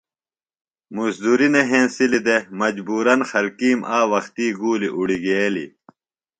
مزدُریۡ نہ ہنسلیۡ دےۡ۔ مجبورًا خلکِیم آ وختی گُولیۡ اُڑگیلیۡ۔